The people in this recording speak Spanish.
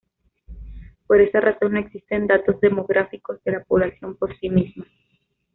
Por esa razón no existen datos demográficos de la población por sí misma.